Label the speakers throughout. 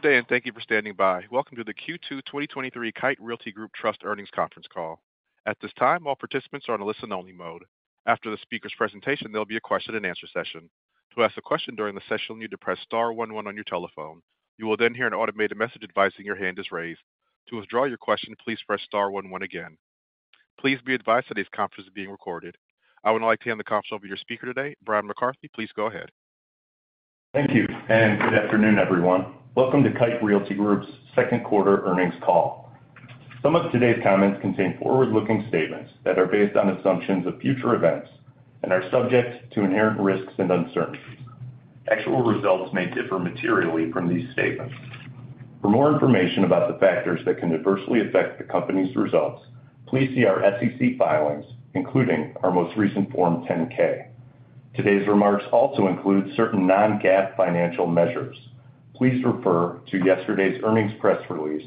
Speaker 1: Good day. Thank you for standing by. Welcome to the Q2 2023 Kite Realty Group Trust Earnings Conference Call. At this time, all participants are on a listen-only mode. After the speaker's presentation, there'll be a question-and-answer session. To ask a question during the session, you'll need to press star one one on your telephone. You will hear an automated message advising your hand is raised. To withdraw your question, please press star one one again. Please be advised that this conference is being recorded. I would now like to hand the conference over to your speaker today, Bryan McCarthy. Please go ahead.
Speaker 2: Thank you. Good afternoon, everyone. Welcome to Kite Realty Group's second quarter earnings call. Some of today's comments contain forward-looking statements that are based on assumptions of future events and are subject to inherent risks and uncertainties. Actual results may differ materially from these statements. For more information about the factors that can adversely affect the company's results, please see our SEC filings, including our most recent Form 10-K. Today's remarks also include certain non-GAAP financial measures. Please refer to yesterday's earnings press release,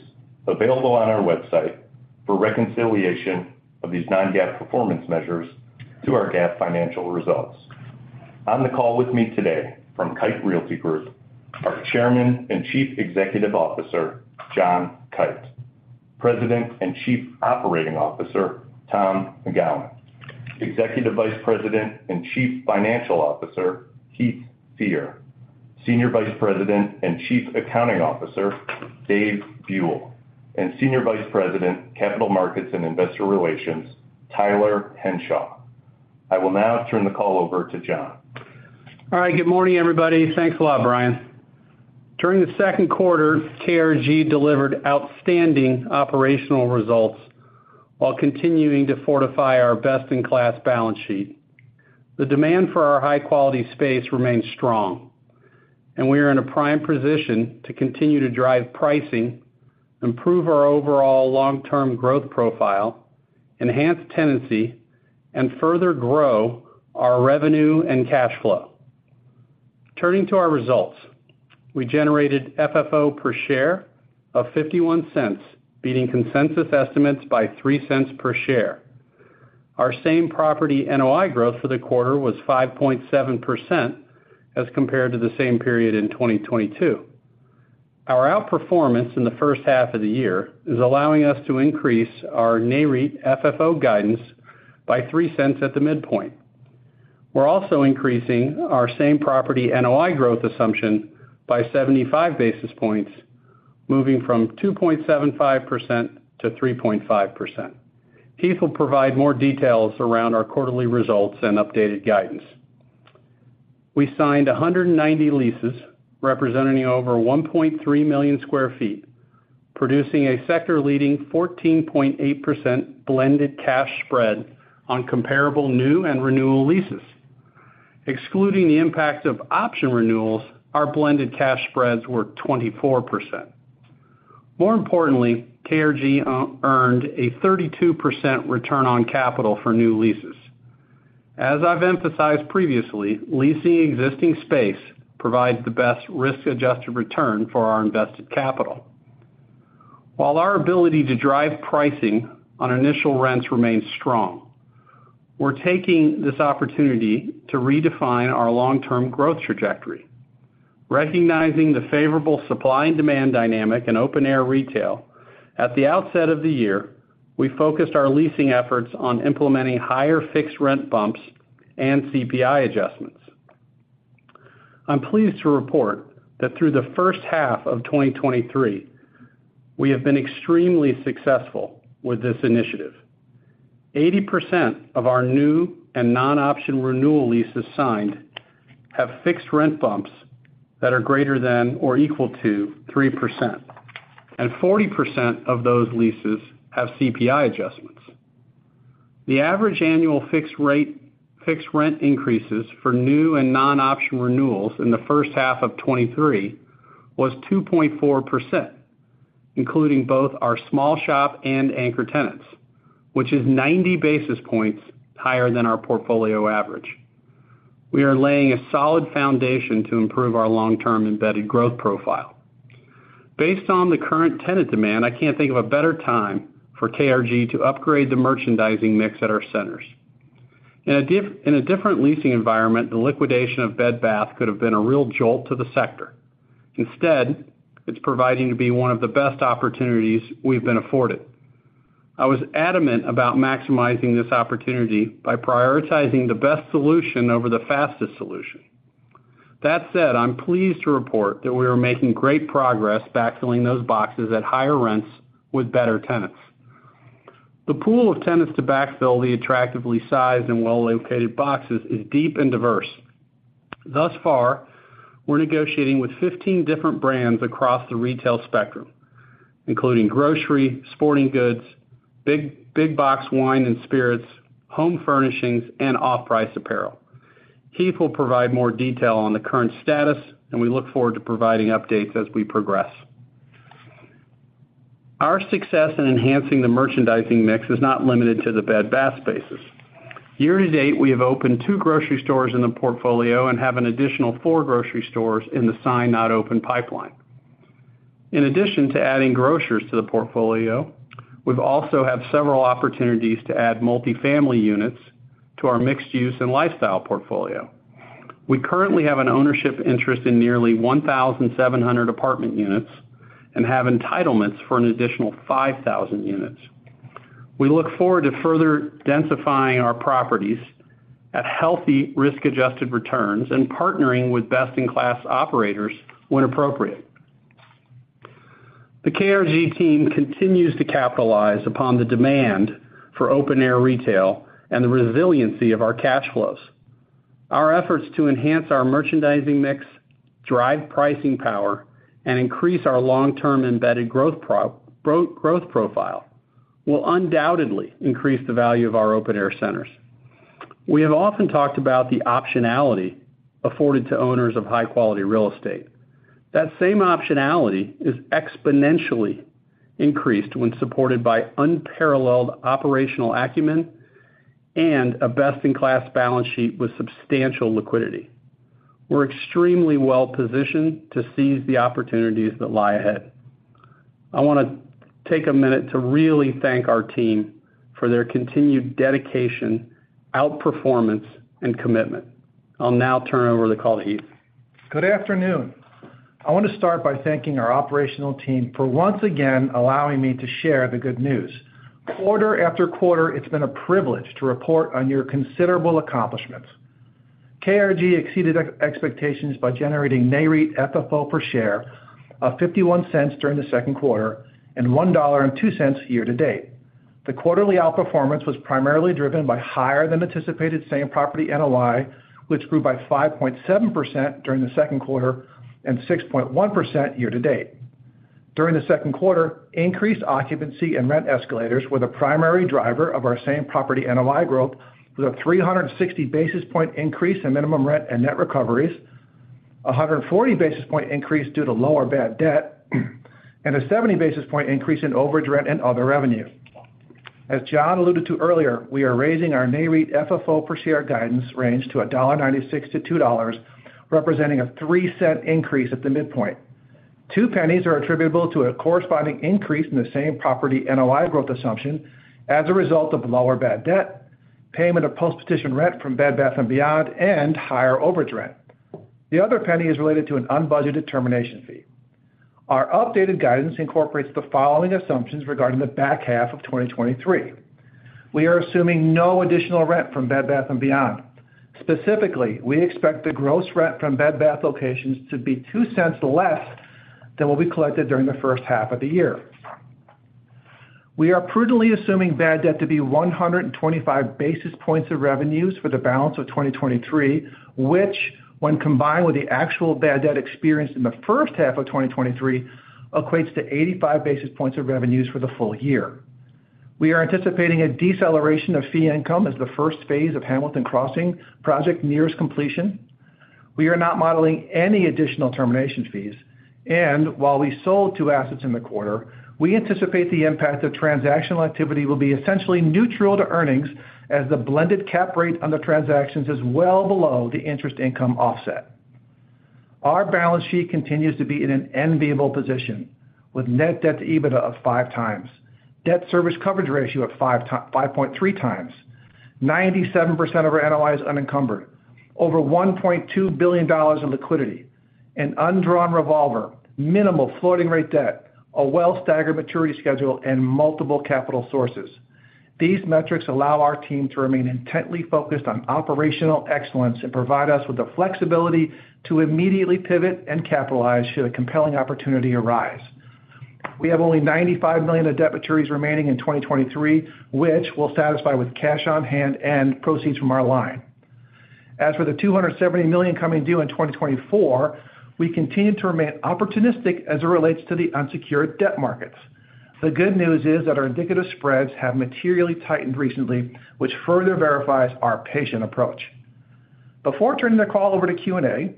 Speaker 2: available on our website, for reconciliation of these non-GAAP performance measures to our GAAP financial results. On the call with me today from Kite Realty Group, our Chairman and Chief Executive Officer, John Kite; President and Chief Operating Officer, Tom McGowan; Executive Vice President and Chief Financial Officer, Heath R. Fear; Senior Vice President and Chief Accounting Officer, Dave Buell, and Senior Vice President, Capital Markets and Investor Relations, Tyler Henshaw. I will now turn the call over to John.
Speaker 3: All right. Good morning, everybody. Thanks a lot, Bryan. During the second quarter, KRG delivered outstanding operational results while continuing to fortify our best-in-class balance sheet. The demand for our high-quality space remains strong. We are in a prime position to continue to drive pricing, improve our overall long-term growth profile, enhance tenancy, and further grow our revenue and cash flow. Turning to our results, we generated FFO per share of $0.51, beating consensus estimates by $0.03 per share. Our same property NOI growth for the quarter was 5.7% as compared to the same period in 2022. Our outperformance in the first half of the year is allowing us to increase our NAREIT FFO guidance by $0.03 at the midpoint. We're also increasing our same property NOI growth assumption by 75 basis points, moving from 2.75% - 3.5%. Keith will provide more details around our quarterly results and updated guidance. We signed 190 leases, representing over 1.3 million sq ft, producing a sector-leading 14.8% blended cash spread on comparable new and renewal leases. Excluding the impact of option renewals, our blended cash spreads were 24%. More importantly, KRG earned a 32% return on capital for new leases. As I've emphasized previously, leasing existing space provides the best risk-adjusted return for our invested capital. While our ability to drive pricing on initial rents remains strong, we're taking this opportunity to redefine our long-term growth trajectory. Recognizing the favorable supply and demand dynamic in open-air retail, at the outset of the year, we focused our leasing efforts on implementing higher fixed rent bumps and CPI adjustments. I'm pleased to report that through the first half of 2023, we have been extremely successful with this initiative. 80% of our new and non-option renewal leases signed have fixed rent bumps that are greater than or equal to 3%, and 40% of those leases have CPI adjustments. The average annual fixed rent increases for new and non-option renewals in the first half of 2023 was 2.4%, including both our small shop and anchor tenants, which is 90 basis points higher than our portfolio average. We are laying a solid foundation to improve our long-term embedded growth profile. Based on the current tenant demand, I can't think of a better time for KRG to upgrade the merchandising mix at our centers. In a in a different leasing environment, the liquidation of Bed Bath could have been a real jolt to the sector. Instead, it's providing to be one of the best opportunities we've been afforded. I was adamant about maximizing this opportunity by prioritizing the best solution over the fastest solution. That said, I'm pleased to report that we are making great progress backfilling those boxes at higher rents with better tenants. The pool of tenants to backfill the attractively sized and well-located boxes is deep and diverse. Thus far, we're negotiating with 15 different brands across the retail spectrum, including grocery, sporting goods, big, big box wine and spirits, home furnishings, and off-price apparel. Keith will provide more detail on the current status. We look forward to providing updates as we progress. Our success in enhancing the merchandising mix is not limited to the Bed Bath spaces. Year to date, we have opened two grocery stores in the portfolio and have an additional four grocery stores in the signed, not open pipeline. In addition to adding grocers to the portfolio, we've also have several opportunities to add multifamily units to our mixed use and lifestyle portfolio. We currently have an ownership interest in nearly 1,700 apartment units and have entitlements for an additional 5,000 units. We look forward to further densifying our properties at healthy risk-adjusted returns and partnering with best-in-class operators when appropriate. The KRG team continues to capitalize upon the demand for open-air retail and the resiliency of our cash flows. Our efforts to enhance our merchandising mix, drive pricing power, and increase our long-term embedded growth profile will undoubtedly increase the value of our open-air centers. We have often talked about the optionality afforded to owners of high-quality real estate. That same optionality is exponentially increased when supported by unparalleled operational acumen and a best-in-class balance sheet with substantial liquidity. We're extremely well-positioned to seize the opportunities that lie ahead. I want to take a minute to really thank our team for their continued dedication, outperformance, and commitment. I'll now turn over the call to Heath.
Speaker 4: Good afternoon. I want to start by thanking our operational team for once again allowing me to share the good news. Quarter after quarter, it's been a privilege to report on your considerable accomplishments. KRG exceeded expectations by generating NAREIt FFO per share of $0.51 during the second quarter and $1.02 year-to-date. The quarterly outperformance was primarily driven by higher than anticipated same property NOI, which grew by 5.7% during the second quarter and 6.1% year-to-date. During the second quarter, increased occupancy and rent escalators were the primary driver of our same property NOI growth, with a 360 basis point increase in minimum rent and net recoveries, a 140 basis point increase due to lower bad debt, and a 70 basis point increase in overage rent and other revenue. As John alluded to earlier, we are raising our NAREIT FFO per share guidance range to $1.96-$2.00, representing a 3 cent increase at the midpoint. 2 pennies are attributable to a corresponding increase in the same property NOI growth assumption as a result of lower bad debt, payment of post-petition rent from Bed, Bath & Beyond, and higher overage rent. The 1 penny is related to an unbudgeted termination fee. Our updated guidance incorporates the following assumptions regarding the back half of 2023. We are assuming no additional rent from Bed, Bath & Beyond. Specifically, we expect the gross rent from Bed, Bath locations to be 2 cents less than what we collected during the first half of the year. We are prudently assuming bad debt to be 125 basis points of revenues for the balance of 2023, which, when combined with the actual bad debt experienced in the first half of 2023, equates to 85 basis points of revenues for the full year. We are anticipating a deceleration of fee income as the first phase of Hamilton Crossing project nears completion. We are not modeling any additional termination fees, and while we sold 2 assets in the quarter, we anticipate the impact of transactional activity will be essentially neutral to earnings, as the blended cap rate on the transactions is well below the interest income offset. Our balance sheet continues to be in an enviable position, with net debt to EBITDA of 5 times, debt service coverage ratio at 5.3 times, 97% of our NOI is unencumbered, over $1.2 billion in liquidity, an undrawn revolver, minimal floating rate debt, a well-staggered maturity schedule, and multiple capital sources. These metrics allow our team to remain intently focused on operational excellence and provide us with the flexibility to immediately pivot and capitalize should a compelling opportunity arise. We have only $95 million of debt maturities remaining in 2023, which we'll satisfy with cash on hand and proceeds from our line. As for the $270 million coming due in 2024, we continue to remain opportunistic as it relates to the unsecured debt markets. The good news is that our indicative spreads have materially tightened recently, which further verifies our patient approach. Before turning the call over to Q&A,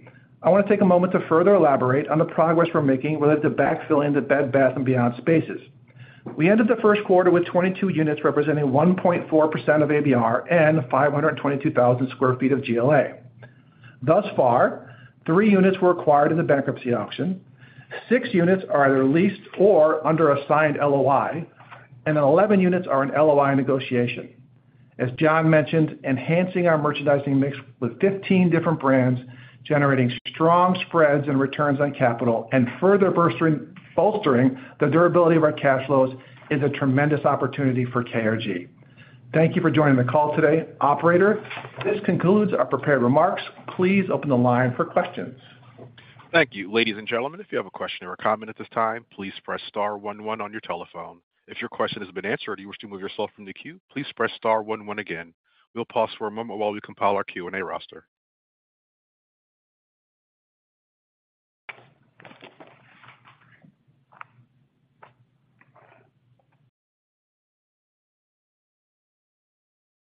Speaker 4: I want to take a moment to further elaborate on the progress we're making related to backfilling the Bed, Bath & Beyond spaces. We ended the first quarter with 22 units, representing 1.4% of ABR and 522,000 sq ft of GLA. Thus far, 3 units were acquired in the bankruptcy auction, 6 units are either leased or under a signed LOI, and 11 units are in LOI negotiation. As John mentioned, enhancing our merchandising mix with 15 different brands, generating strong spreads and returns on capital, and further bolstering the durability of our cash flows is a tremendous opportunity for KRG. Thank you for joining the call today. Operator, this concludes our prepared remarks. Please open the line for questions.
Speaker 1: Thank you. Ladies and gentlemen, if you have a question or a comment at this time, please press star one one on your telephone. If your question has been answered, or you wish to remove yourself from the queue, please press star one one again. We'll pause for a moment while we compile our Q&A roster.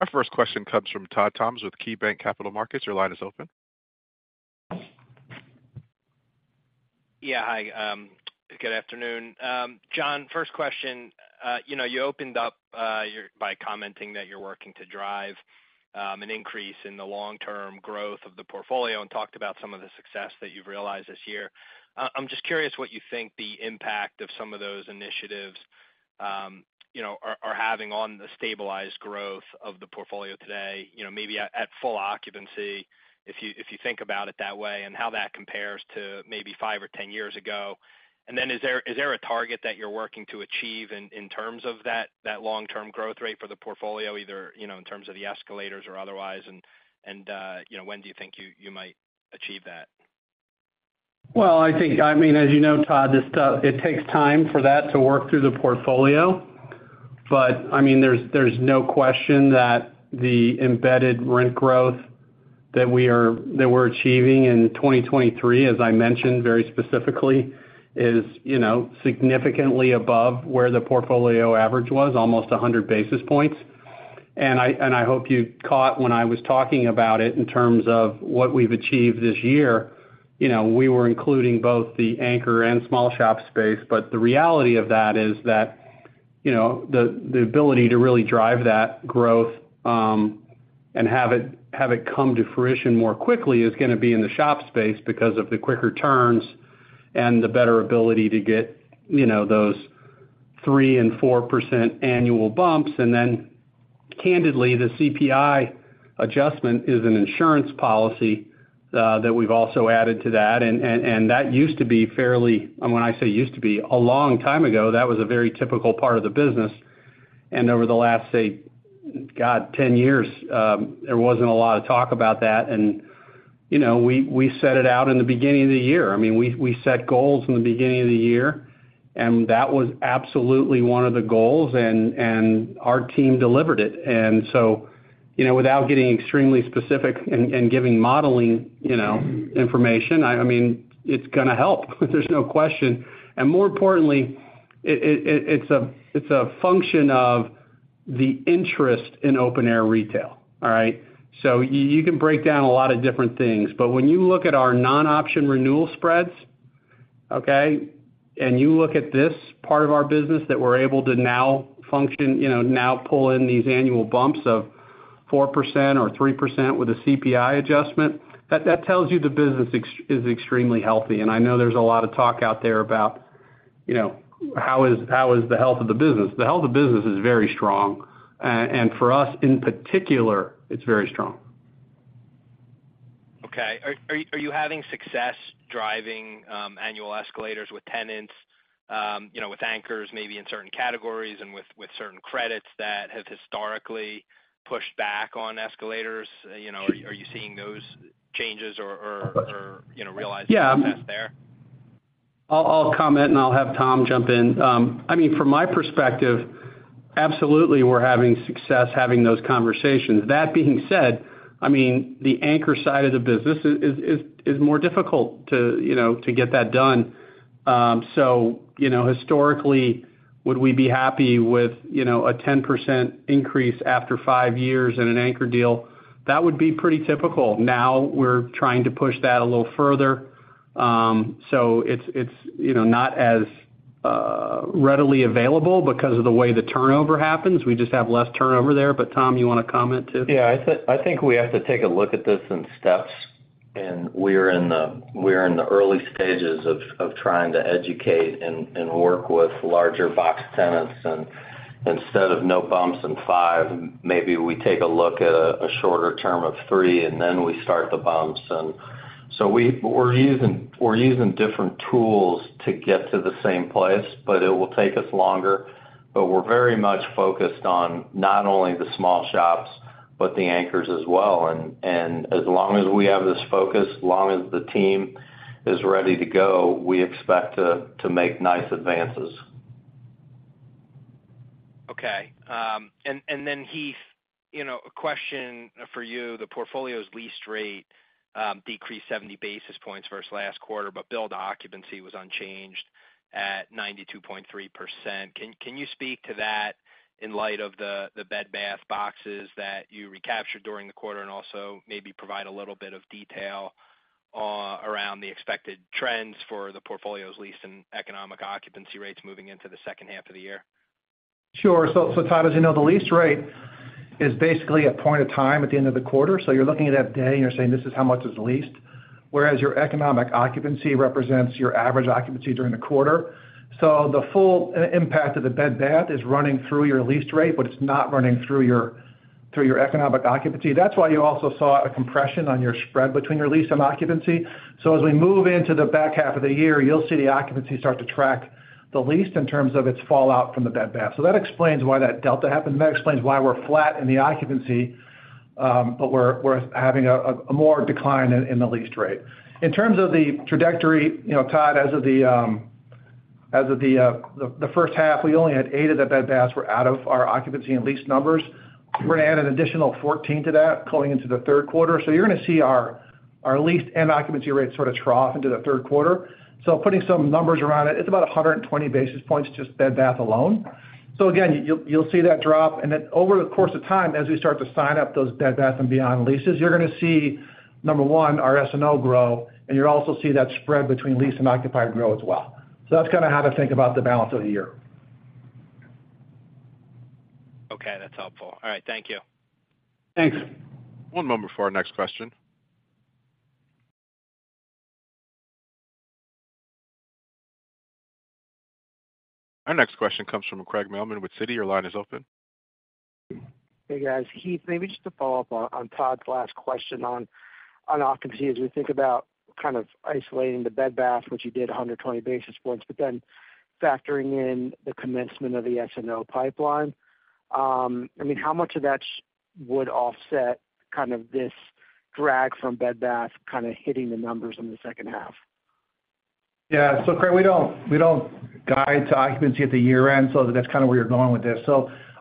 Speaker 1: Our first question comes from Todd Thomas with KeyBanc Capital Markets. Your line is open.
Speaker 5: Yeah. Hi, good afternoon. John, first question. you know, you opened up by commenting that you're working to drive an increase in the long-term growth of the portfolio and talked about some of the success that you've realized this year. I'm just curious what you think the impact of some of those initiatives, you know, are having on the stabilized growth of the portfolio today, you know, maybe at full occupancy, if you think about it that way, and how that compares to maybe five or 10 years ago. Then is there a target that you're working to achieve in terms of that long-term growth rate for the portfolio, either, you know, in terms of the escalators or otherwise? When do you think you might achieve that?
Speaker 3: Well, I think, I mean, as you know, Todd, this stuff, it takes time for that to work through the portfolio. I mean, there's, there's no question that the embedded rent growth that we're achieving in 2023, as I mentioned very specifically, is, you know, significantly above where the portfolio average was, almost 100 basis points. I, and I hope you caught when I was talking about it in terms of what we've achieved this year, you know, we were including both the anchor and small shop space. The reality of that is that, you know, the ability to really drive that growth and have it come to fruition more quickly is going to be in the shop space because of the quicker turns and the better ability to get, you know, those 3% and 4% annual bumps. Then, candidly, the CPI adjustment is an insurance policy that we've also added to that. That used to be fairly... When I say used to be, a long time ago, that was a very typical part of the business. Over the last, say, God, 10 years, there wasn't a lot of talk about that. You know, we set it out in the beginning of the year. I mean, we, we set goals in the beginning of the year, and that was absolutely one of the goals, and, and our team delivered it. You know, without getting extremely specific and, and giving modeling, you know, information, I mean, it's going to help, there's no question. More importantly, it, it, it's a, it's a function of the interest in open air retail, all right? You, you can break down a lot of different things, but when you look at our non-option renewal spreads, okay, and you look at this part of our business that we're able to now function, you know, now pull in these annual bumps of 4% or 3% with a CPI adjustment, that, that tells you the business is extremely healthy. I know there's a lot of talk out there about, you know, how is, how is the health of the business? The health of business is very strong. For us, in particular, it's very strong.
Speaker 5: Okay. Are, are you having success driving, annual escalators with tenants, you know, with anchors, maybe in certain categories and with, with certain credits that have historically pushed back on escalators? You know, are you seeing those changes or, or, or, you know, realizing success there?
Speaker 3: Yeah. I'll, I'll comment, and I'll have Tom jump in. I mean, from my perspective, absolutely, we're having success having those conversations. That being said, I mean, the anchor side of the business is, is, is more difficult to, you know, to get that done. Historically, would we be happy with, you know, a 10% increase after five years in an anchor deal? That would be pretty typical. Now, we're trying to push that a little further. It's, it's, you know, not as readily available, because of the way the turnover happens. We just have less turnover there. Tom, you want to comment, too?
Speaker 6: Yeah, I think we have to take a look at this in steps, we're in the early stages of trying to educate and work with larger box tenants. Instead of no bumps in 5, maybe we take a look at a shorter term of 3, and then we start the bumps. We're using different tools to get to the same place, but it will take us longer. We're very much focused on not only the small shops, but the anchors as well. As long as we have this focus, as long as the team is ready to go, we expect to make nice advances.
Speaker 5: Okay. Then, Heath, you know, a question for you. The portfolio's lease rate, decreased 70 basis points versus last quarter, but build occupancy was unchanged at 92.3%. Can you speak to that in light of the Bed Bath boxes that you recaptured during the quarter, and also maybe provide a little bit of detail around the expected trends for the portfolio's lease and economic occupancy rates moving into the second half of the year?
Speaker 4: Sure. Todd, as you know, the lease rate is basically a point of time at the end of the quarter. You're looking at that day, and you're saying, "This is how much is leased." Whereas your economic occupancy represents your average occupancy during the quarter. The full impact of the Bed Bath is running through your lease rate, but it's not running through your, through your economic occupancy. That's why you also saw a compression on your spread between your lease and occupancy. As we move into the back half of the year, you'll see the occupancy start to track the least in terms of its fallout from the Bed Bath. That explains why that delta happened. That explains why we're flat in the occupancy, but we're, we're having a more decline in, in the lease rate. In terms of the trajectory, you know, Todd, as of the, as of the, the first half, we only had 8 of the Bed Bath were out of our occupancy and lease numbers. We're going to add an additional 14 to that, going into the third quarter. You're going to see our, our lease and occupancy rates sort of trough into the third quarter. Putting some numbers around it, it's about 120 basis points, just Bed Bath alone. Again, you'll, you'll see that drop, and then over the course of time, as we start to sign up those Bed, Bath & Beyond leases, you're going to see, number one, our SNO grow, and you'll also see that spread between lease and occupied grow as well. That's kind of how to think about the balance of the year.
Speaker 5: Okay, that's helpful. All right. Thank you.
Speaker 4: Thanks.
Speaker 1: One moment before our next question. Our next question comes from Craig Mailman with Citi. Your line is open.
Speaker 7: Hey, guys. Heath, maybe just to follow up on, on Todd's last question on, on occupancy, as we think about kind of isolating the Bed Bath, which you did 120 basis points, but then factoring in the commencement of the SNO pipeline, I mean, how much of that would offset kind of this drag from Bed Bath kind of hitting the numbers in the second half?
Speaker 4: Yeah. Craig, we don't, we don't guide to occupancy at the year-end, that's kind of where you're going with this.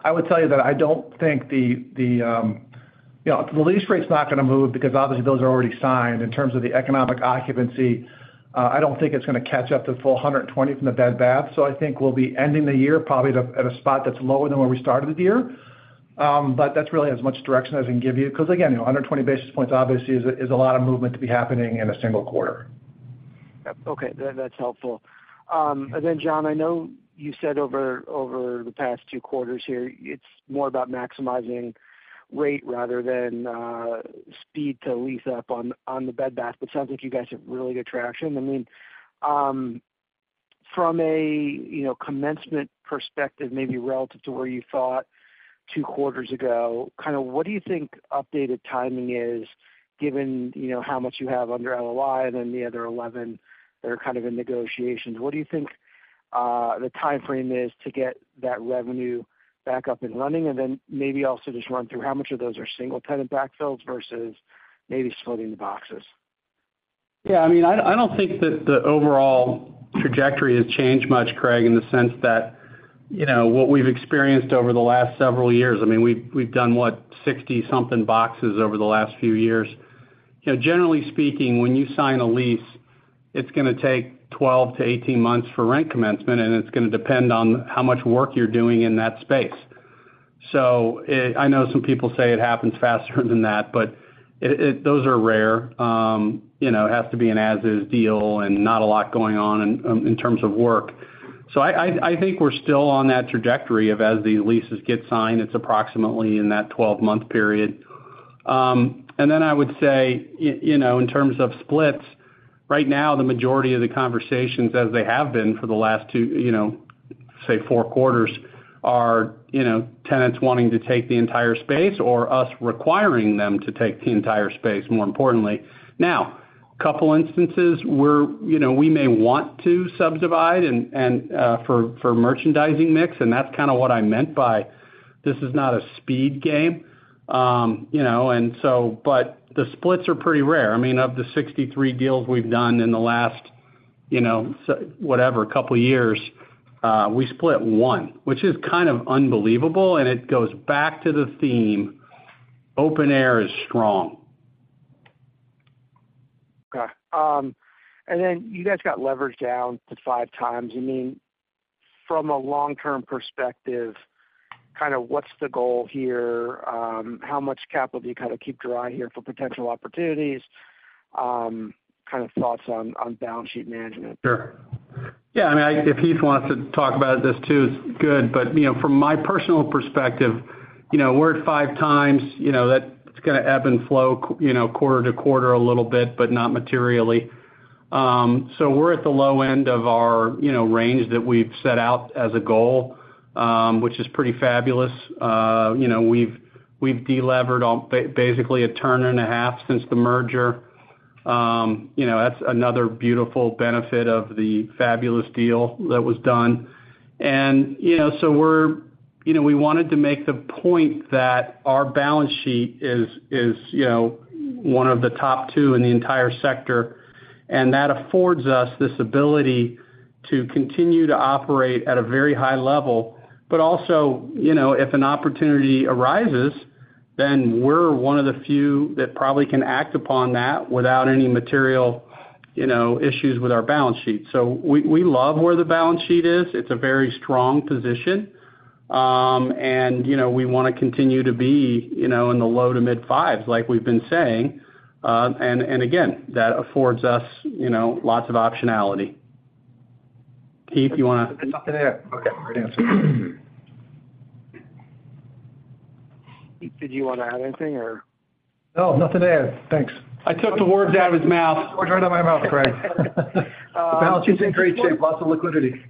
Speaker 4: I would tell you that I don't think the, the, you know, the lease rate's not gonna move because obviously, those are already signed. In terms of the economic occupancy, I don't think it's gonna catch up to the full 120 from the Bed Bath. I think we'll be ending the year probably at a, at a spot that's lower than where we started the year. But that's really as much direction as I can give you, because, again, you know, 120 basis points obviously is a, is a lot of movement to be happening in a single quarter.
Speaker 7: Yep. Okay, that, that's helpful. John, I know you said over, over the past 2 quarters here, it's more about maximizing rate rather than speed to lease up on, on the Bed Bath, but it sounds like you guys have really good traction. I mean, from a, you know, commencement perspective, maybe relative to where you thought 2 quarters ago, kind of what do you think updated timing is, given, you know, how much you have under LOI than the other 11 that are kind of in negotiations? What do you think the time frame is to get that revenue back up and running? Maybe also just run through how much of those are single-tenant backfills versus maybe splitting the boxes.
Speaker 3: I mean, I, I don't think that the overall trajectory has changed much, Craig, in the sense that, you know, what we've experienced over the last several years, I mean, we've, we've done, what? 60 something boxes over the last few years. You know, generally speaking, when you sign a lease, it's gonna take 12-18 months for rent commencement, and it's gonna depend on how much work you're doing in that space. So it-- I know some people say it happens faster than that, but it, it-- those are rare. You know, it has to be an as is deal and not a lot going on in terms of work. So I, I, I think we're still on that trajectory of as the leases get signed, it's approximately in that 12-month period. Then I would say, you know, in terms of splits, right now, the majority of the conversations, as they have been for the last 2, you know, say 4 quarters, are, you know, tenants wanting to take the entire space or us requiring them to take the entire space, more importantly. Now, a couple instances where, you know, we may want to subdivide and, and, for, for merchandising mix, and that's kind of what I meant by this is not a speed game. You know, and so, but the splits are pretty rare. I mean, of the 63 deals we've done in the last, you know, whatever, couple years, we split 1, which is kind of unbelievable, and it goes back to the theme, open-air is strong.
Speaker 7: Okay. Then you guys got leverage down to 5 times. I mean, from a long-term perspective, kind of what's the goal here? How much capital do you kind of keep dry here for potential opportunities? Kind of thoughts on, on balance sheet management.
Speaker 3: Sure. Yeah, I mean, if Heath wants to talk about this, too, it's good. You know, from my personal perspective, you know, we're at 5 times, you know, that's gonna ebb and flow, you know, quarter to quarter a little bit, but not materially. So we're at the low end of our, you know, range that we've set out as a goal, which is pretty fabulous. You know, we've, we've delevered on basically 1.5 turns since the merger. You know, that's another beautiful benefit of the fabulous deal that was done. You know, we wanted to make the point that our balance sheet is, is, you know, one of the top 2 in the entire sector, and that affords us this ability to continue to operate at a very high level. Also, you know, if an opportunity arises, then we're one of the few that probably can act upon that without any material, you know, issues with our balance sheet. We, we love where the balance sheet is. It's a very strong position, and, you know, we wanna continue to be, you know, in the low to mid 5s, like we've been saying. And again, that affords us, you know, lots of optionality. Heath, you wanna-
Speaker 4: There's nothing to add. Okay, great answer.
Speaker 7: Heath, did you wanna add anything or?
Speaker 4: No, nothing to add. Thanks.
Speaker 3: I took the words out of his mouth.
Speaker 4: Words right out of my mouth, Craig.
Speaker 3: Um-
Speaker 4: The balance sheet's in great shape, lots of liquidity.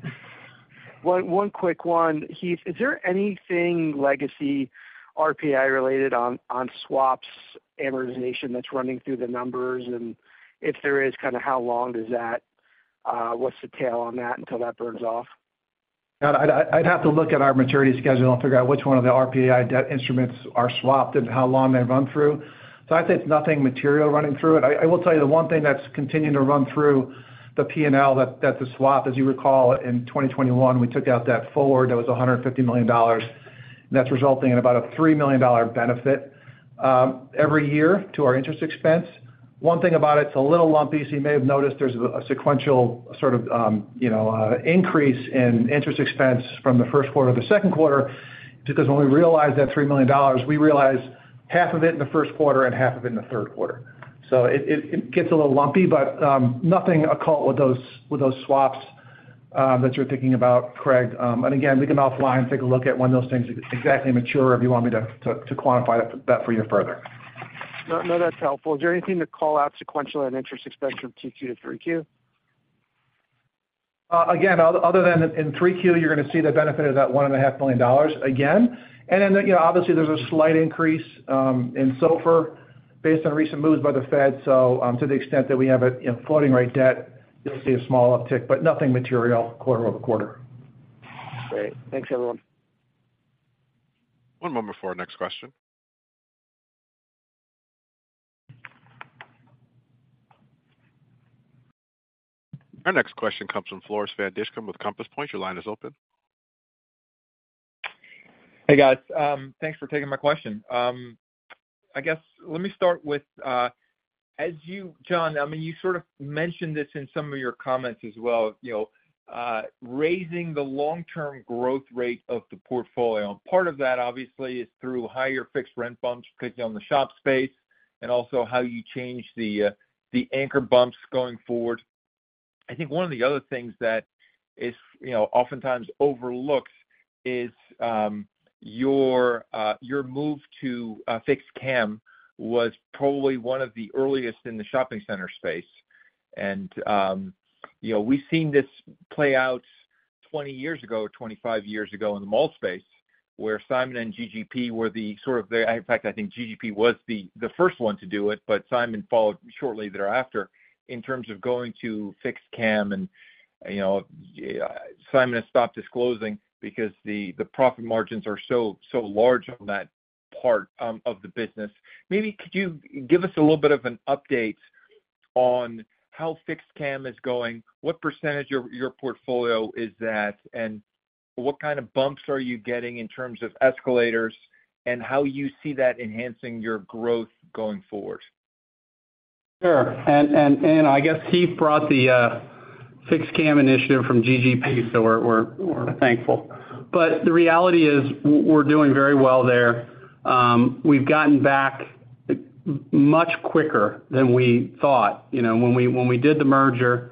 Speaker 7: One, one quick one, Heath. Is there anything legacy RPAI related on, on swaps amortization that's running through the numbers? If there is, kind of what's the tail on that until that burns off?
Speaker 4: Yeah, I'd, I'd, I'd have to look at our maturity schedule and figure out which one of the RPI debt instruments are swapped and how long they run through. I'd say it's nothing material running through it. I, I will tell you, the one thing that's continuing to run through the P&L, that, that's a swap, as you recall, in 2021, we took out that forward, that was $150 million, and that's resulting in about a $3 million benefit every year to our interest expense. One thing about it, it's a little lumpy. You may have noticed there's a sequential sort of, you know, increase in interest expense from the first quarter to the second quarter, just because when we realize that $3 million, we realize half of it in the first quarter and half of it in the third quarter. It gets a little lumpy, but nothing occult with those swaps that you're thinking about, Craig. And again, we can offline and take a look at when those things exactly mature, if you want me to quantify that for you further.
Speaker 7: No, no, that's helpful. Is there anything to call out sequentially on interest expense from 2Q to 3Q?
Speaker 3: Again, other than in 3Q, you're gonna see the benefit of that $1.5 million again. Then, you know, obviously, there's a slight increase in SOFR based on recent moves by the Fed. To the extent that we have a, you know, floating rate debt, you'll see a small uptick, but nothing material quarter-over-quarter.
Speaker 7: Great. Thanks, everyone.
Speaker 1: One moment before our next question. Our next question comes from Floris van Dijkum with Compass Point. Your line is open.
Speaker 8: Hey, guys, thanks for taking my question. I guess, let me start with, as you, John, I mean, you sort of mentioned this in some of your comments as well, you know, raising the long-term growth rate of the portfolio. Part of that, obviously, is through higher fixed rent bumps, particularly on the shop space, and also how you change the anchor bumps going forward. I think one of the other things that is, you know, oftentimes overlooked is, your move to fixed CAM was probably one of the earliest in the shopping center space. You know, we've seen this play out 20 years ago, or 25 years ago in the mall space, where Simon and GGP were the sort of. In fact, I think GGP was the, the first one to do it, but Simon followed shortly thereafter in terms of going to fixed CAM and, you know, Simon has stopped disclosing because the profit margins are so, so large on that part of the business. Maybe could you give us a little bit of an update on how fixed CAM is going? What percentage of your, your portfolio is that, and what kind of bumps are you getting in terms of escalators, and how you see that enhancing your growth going forward?
Speaker 3: Sure. I guess he brought the fixed CAM initiative from GGP, so we're, we're, we're thankful. The reality is, we're doing very well there. We've gotten back much quicker than we thought. You know, when we, when we did the merger,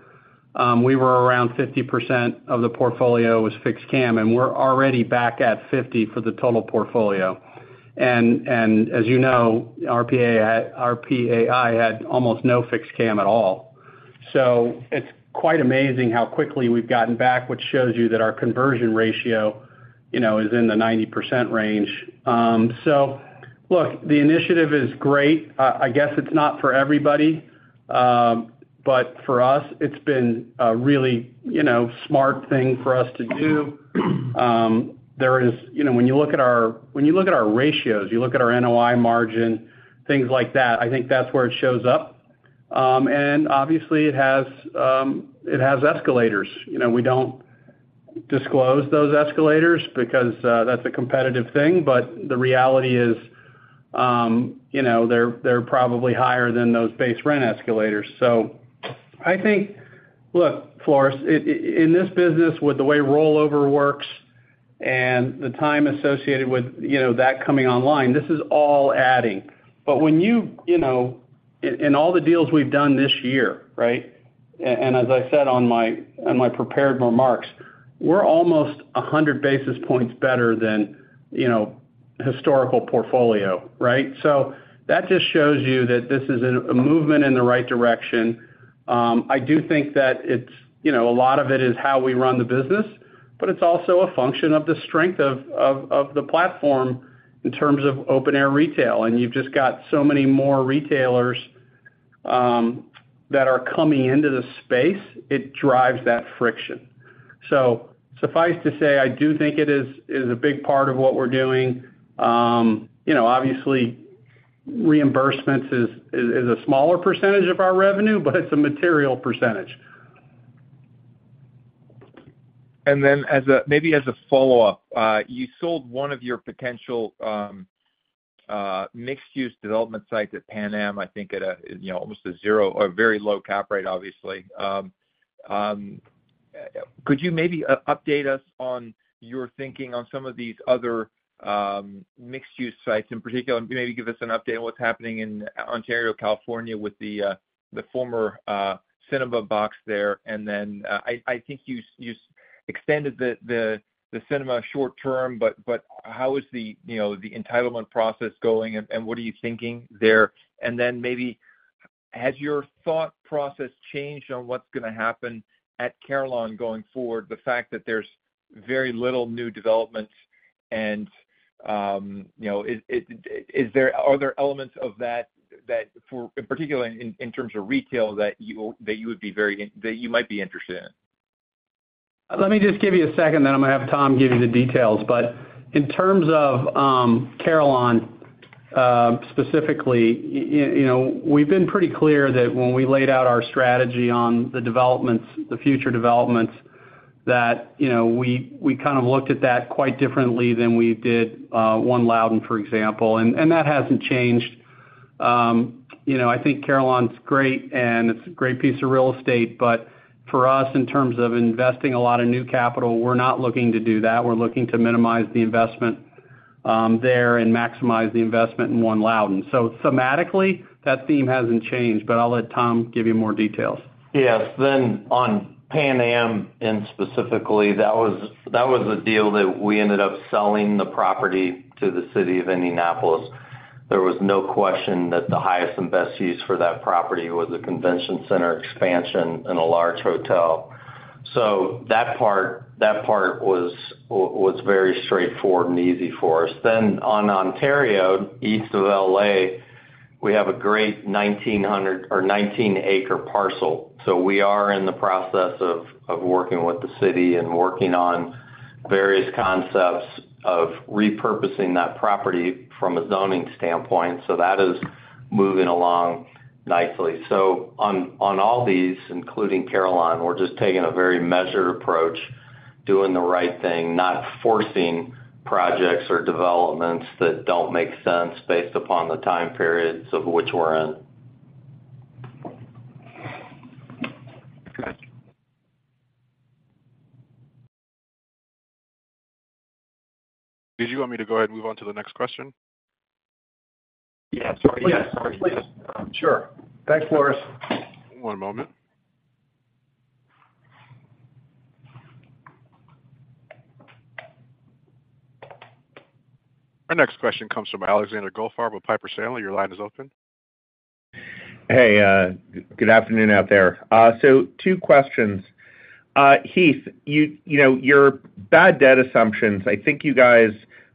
Speaker 3: we were around 50% of the portfolio was fixed CAM, and we're already back at 50 for the total portfolio. As you know, RPA, RPAI had almost no fixed CAM at all. It's quite amazing how quickly we've gotten back, which shows you that our conversion ratio, you know, is in the 90% range. Look, the initiative is great. I guess it's not for everybody, but for us, it's been a really, you know, smart thing for us to do. You know, when you look at our, when you look at our ratios, you look at our NOI margin, things like that, I think that's where it shows up. Obviously, it has escalators. You know, we don't disclose those escalators because that's a competitive thing, but the reality is, you know, they're, they're probably higher than those base rent escalators. I think Look, Floris, in this business, with the way rollover works and the time associated with, you know, that coming online, this is all adding. When you, you know, in, in all the deals we've done this year, right? As I said on my, on my prepared remarks, we're almost 100 basis points better than, you know, historical portfolio, right? That just shows you that this is an, a movement in the right direction. I do think that it's, you know, a lot of it is how we run the business, but it's also a function of the strength of, of, of the platform in terms of open-air retail, and you've just got so many more retailers, that are coming into the space, it drives that friction. Suffice to say, I do think it is, is a big part of what we're doing. You know, obviously, reimbursements is, is a smaller % of our revenue, but it's a material %.
Speaker 8: Then as a-- maybe as a follow-up, you sold one of your potential mixed-use development sites at Pan Am Plaza, I think, at a, you know, almost a 0 or very low cap rate, obviously. Could you maybe update us on your thinking on some of these other mixed-use sites in particular, and maybe give us an update on what's happening in Ontario, California, with the former cinema box there? Then, I, I think you, you extended the, the, the cinema short term, but, but how is the, you know, the entitlement process going, and, and what are you thinking there? Then maybe, has your thought process changed on what's gonna happen at Carillon going forward, the fact that there's very little new developments and, you know, are there elements of that, that for, in particular, in, in terms of retail, that you might be interested in?
Speaker 3: Let me just give you a second, then I'm gonna have Tom give you the details. In terms of Carillon specifically, you know, we've been pretty clear that when we laid out our strategy on the developments, the future developments, that, you know, we, we kind of looked at that quite differently than we did One Loudoun, for example, and that hasn't changed. You know, I think Carillon's great, and it's a great piece of real estate, but for us, in terms of investing a lot of new capital, we're not looking to do that. We're looking to minimize the investment there and maximize the investment in One Loudoun. Thematically, that theme hasn't changed, but I'll let Tom give you more details.
Speaker 6: Yes. On Pan Am, specifically, that was a deal that we ended up selling the property to the city of Indianapolis. There was no question that the highest and best use for that property was a convention center expansion and a large hotel. That part was very straightforward and easy for us. On Ontario, east of L.A., we have a great 1,900 or 19-acre parcel. We are in the process of working with the city and working on various concepts of repurposing that property from a zoning standpoint, so that is moving along nicely. On all these, including Carillon, we're just taking a very measured approach, doing the right thing, not forcing projects or developments that don't make sense based upon the time periods of which we're in.
Speaker 3: Did you want me to go ahead and move on to the next question?
Speaker 4: Yeah. Sorry. Yes, please. Sure. Thanks, Floris.
Speaker 1: One moment. Our next question comes from Alexander Goldfarb with Piper Sandler. Your line is open.
Speaker 9: Hey, good afternoon out there. Two questions. Heath, you, you know, your bad debt assumptions, I think you guys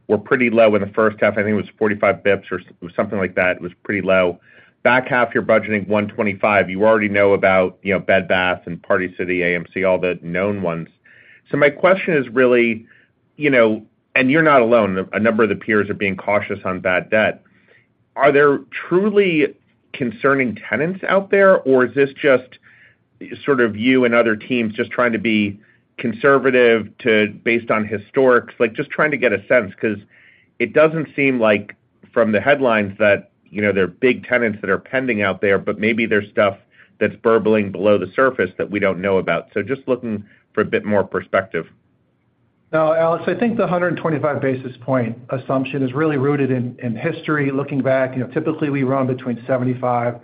Speaker 9: were pretty low in the first half. I think it was 45 bips or something like that. It was pretty low. Back half, you're budgeting 125. You already know about, you know, Bed Bath and Party City, AMC, all the known ones. My question is really, you know, and you're not alone. A number of the peers are being cautious on bad debt. Are there truly concerning tenants out there, or is this just sort of you and other teams just trying to be conservative based on historics? Like, just trying to get a sense, 'cause it doesn't seem like from the headlines that, you know, there are big tenants that are pending out there, but maybe there's stuff that's burbling below the surface that we don't know about. Just looking for a bit more perspective.
Speaker 4: No, Alex, I think the 125 basis point assumption is really rooted in, in history. Looking back, you know, typically, we run between 75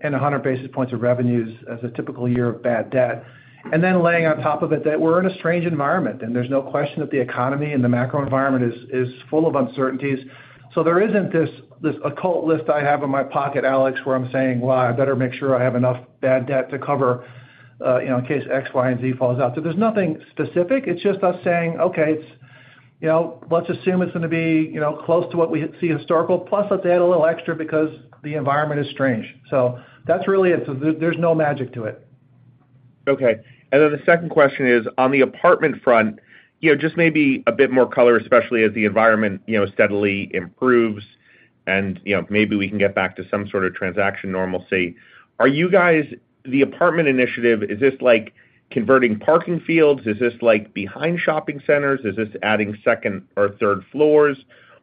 Speaker 4: and 100 basis points of revenues as a typical year of bad debt. Then laying on top of it, that we're in a strange environment, and there's no question that the economy and the macro environment is, is full of uncertainties. There isn't this, this occult list I have in my pocket, Alex, where I'm saying, "Well, I better make sure I have enough bad debt to cover, you know, in case X, Y, and Z falls out." There's nothing specific. It's just us saying, "Okay, it's, you know, let's assume it's gonna be, you know, close to what we see historical, plus let's add a little extra because the environment is strange." That's really it. There's no magic to it.
Speaker 9: Okay. Then the second question is: on the apartment front, you know, just maybe a bit more color, especially as the environment, you know, steadily improves and, you know, maybe we can get back to some sort of transaction normalcy. Are you guys... The apartment initiative, is this like converting parking fields? Is this like behind shopping centers? Is this adding second or third floors,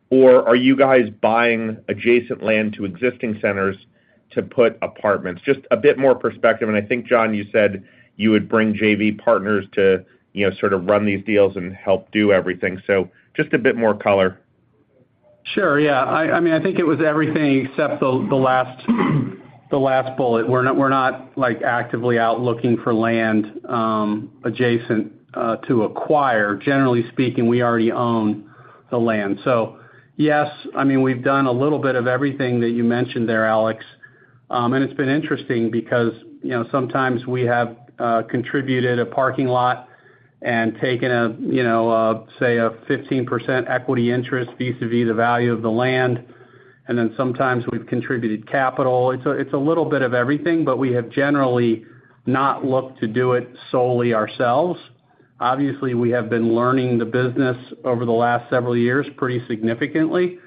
Speaker 9: or are you guys buying adjacent land to existing centers to put apartments? Just a bit more perspective. I think, John, you said you would bring JV partners to, you know, sort of run these deals and help do everything. Just a bit more color.
Speaker 3: Sure. Yeah. I, I mean, I think it was everything except the, the last, the last bullet. We're not, we're not, like, actively out looking for land adjacent to acquire. Generally speaking, we already own the land. Yes, I mean, we've done a little bit of everything that you mentioned there, Alex. And it's been interesting because, you know, sometimes we have contributed a parking lot and taken a, you know, a, say, a 15% equity interest vis-à-vis the value of the land, and then sometimes we've contributed capital. It's a, it's a little bit of everything, but we have generally not looked to do it solely ourselves. Obviously, we have been learning the business over the last several years pretty significantly.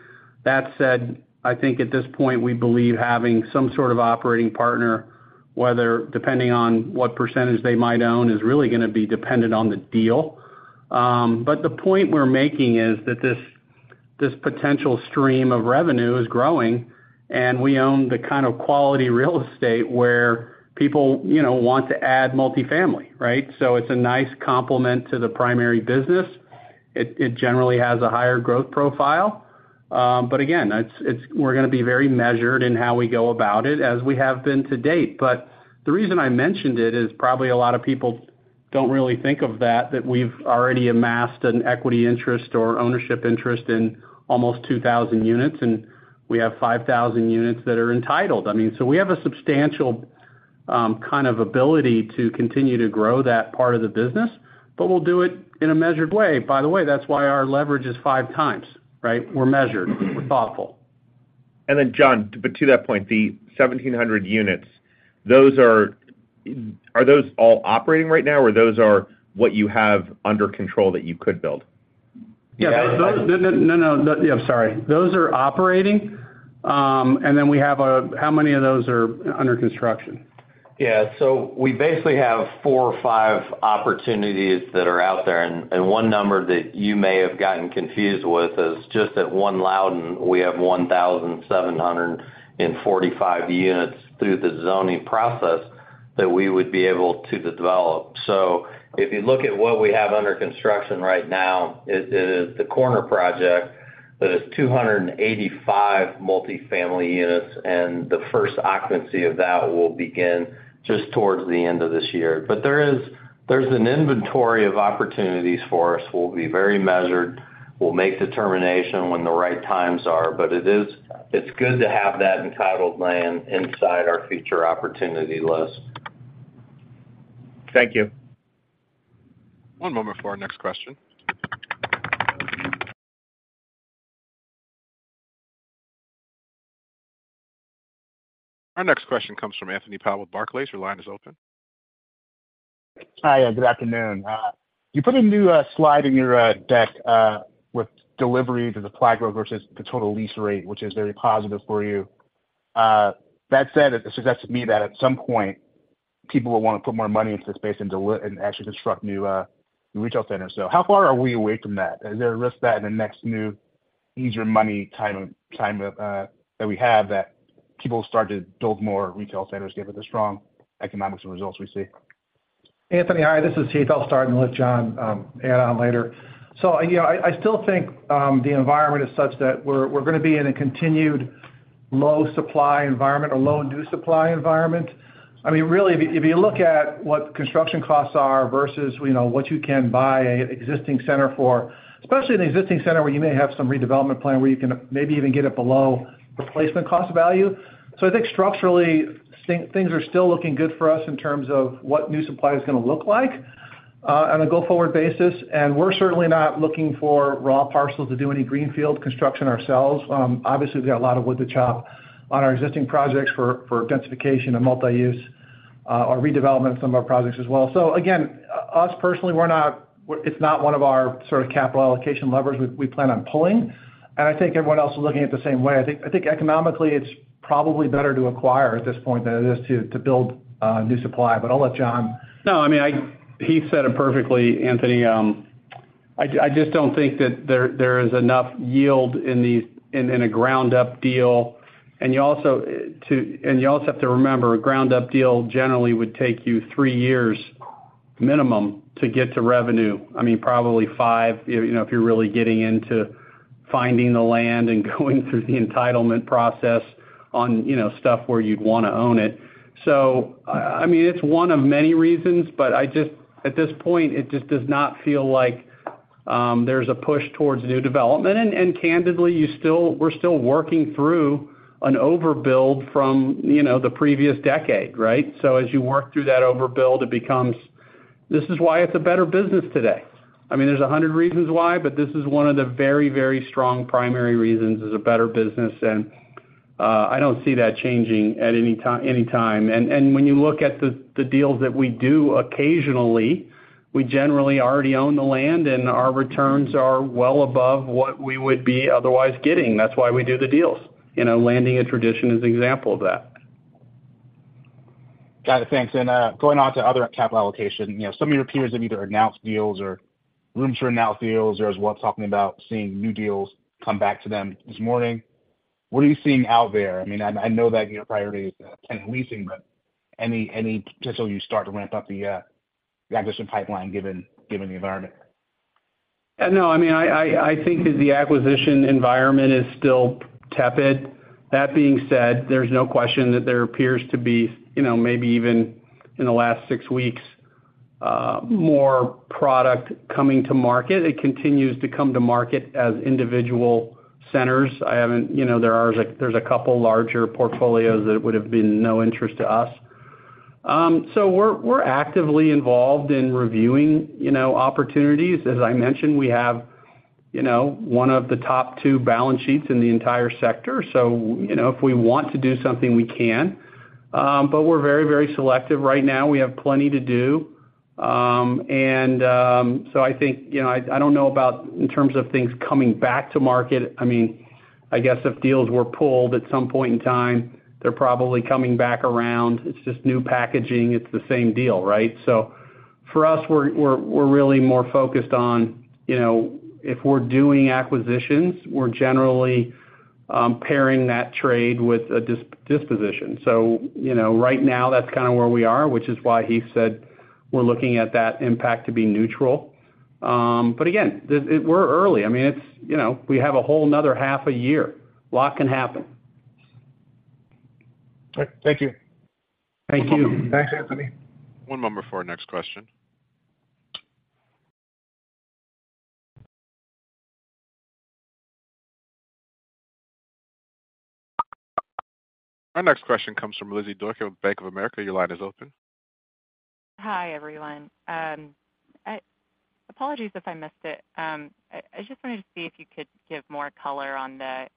Speaker 3: That said, I think at this point, we believe having some sort of operating partner, whether depending on what percentage they might own, is really gonna be dependent on the deal. The point we're making is that this, this potential stream of revenue is growing, and we own the kind of quality real estate where people, you know, want to add multifamily, right? It's a nice complement to the primary business. It, it generally has a higher growth profile, but again, it's we're gonna be very measured in how we go about it, as we have been to date. The reason I mentioned it is probably a lot of people don't really think of that, that we've already amassed an equity interest or ownership interest in almost 2,000 units, and we have 5,000 units that are entitled. I mean, we have a substantial, kind of ability to continue to grow that part of the business, but we'll do it in a measured way. By the way, that's why our leverage is five times, right? We're measured, we're thoughtful.
Speaker 9: John, to that point, the 1,700 units, are those all operating right now, or those are what you have under control that you could build?
Speaker 3: Yeah. No, no, no. Yeah, I'm sorry. Those are operating, and then we have, how many of those are under construction?
Speaker 6: Yeah. We basically have four or five opportunities that are out there, and one number that you may have gotten confused with is just at One Loudoun, we have 1,745 units through the zoning process that we would be able to develop. If you look at what we have under construction right now, it is The Corner project that is 285 multifamily units, and the first occupancy of that will begin just towards the end of this year. There's an inventory of opportunities for us. We'll be very measured. We'll make determination when the right times are, but it's good to have that entitled land inside our future opportunity list.
Speaker 1: Thank you. One moment before our next question. Our next question comes from Anthony Powell, Barclays. Your line is open.
Speaker 10: Hi, good afternoon. You put a new slide in your deck with delivery to the flag growth versus the total lease rate, which is very positive for you. That said, it suggests to me that at some point, people will want to put more money into the space and actually construct new retail centers. How far are we away from that? Is there a risk that in the next new easier money time, time, that we have, that people start to build more retail centers, given the strong economics and results we see?
Speaker 4: Anthony, hi, this is Heath. I'll start and let John add on later. you know, I, I still think the environment is such that we're, we're gonna be in a continued low supply environment or low new supply environment. I mean, really, if you, if you look at what construction costs are versus, you know, what you can buy existing center for, especially in the existing center, where you may have some redevelopment plan, where you can maybe even get it below replacement cost value. I think structurally, things are still looking good for us in terms of what new supply is gonna look like on a go-forward basis. We're certainly not looking for raw parcels to do any greenfield construction ourselves. Obviously, we've got a lot of wood to chop on our existing projects for, for densification and multi-use, or redevelopment of some of our projects as well. Again, us, personally, we're not, it's not one of our sort of capital allocation levers we, we plan on pulling, and I think everyone else is looking at the same way. I think, I think economically, it's probably better to acquire at this point than it is to, to build new supply. I'll let John.
Speaker 3: No, I mean, I Heath said it perfectly, Anthony. I just don't think that there, there is enough yield in these, in a ground-up deal. You also, and you also have to remember, a ground-up deal generally would take you 3 years minimum to get to revenue. I mean, probably five, you know, if you're really getting into finding the land and going through the entitlement process on, you know, stuff where you'd want to own it. I mean, it's one of many reasons, but I just, at this point, it just does not feel like there's a push towards new development. Candidly, we're still working through an overbuild from, you know, the previous decade, right? As you work through that overbuild, it becomes. This is why it's a better business today. I mean, there's 100 reasons why, but this is one of the very, very strong primary reasons, is a better business, and I don't see that changing at any time. When you look at the, the deals that we do occasionally, we generally already own the land, and our returns are well above what we would be otherwise getting. That's why we do the deals. You know, The Landing at Tradition is an example of that.
Speaker 10: Got it. Thanks. Going on to other capital allocation, you know, some of your peers have either announced deals or rumors to announce deals, or as well, talking about seeing new deals come back to them this morning. What are you seeing out there? I mean, I, I know that your priority is tenant leasing, but any, any potential you start to ramp up the, the acquisition pipeline, given, given the environment?
Speaker 3: No, I mean, I, I, I think that the acquisition environment is still tepid. That being said, there's no question that there appears to be, you know, maybe even in the last 6 weeks, more product coming to market. It continues to come to market as individual centers. I haven't... You know, there are, there's a couple larger portfolios that would have been no interest to us. We're, we're actively involved in reviewing, you know, opportunities. As I mentioned, we have, you know, one of the top 2 balance sheets in the entire sector. You know, if we want to do something, we can. We're very, very selective right now. We have plenty to do. I think, you know, I, I don't know about in terms of things coming back to market. I mean, I guess if deals were pulled at some point in time, they're probably coming back around. It's just new packaging. It's the same deal, right? For us, we're, we're, we're really more focused on, you know, if we're doing acquisitions, we're generally pairing that trade with a disposition. You know, right now, that's kind of where we are, which is why Heath said we're looking at that impact to be neutral. Again, we're early. I mean, it's, you know, we have a whole another half a year. A lot can happen.
Speaker 10: All right. Thank you.
Speaker 3: Thank you.
Speaker 1: Thanks, Anthony. One moment before our next question. Our next question comes from Lizzie Dorr with Bank of America. Your line is open.
Speaker 11: Hi, everyone. Apologies if I missed it. I just wanted to see if you could give more color on the